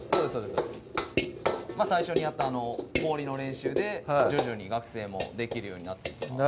最初にやったあの氷の練習で徐々に学生もできるようになっていきます